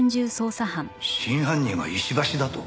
真犯人は石橋だと？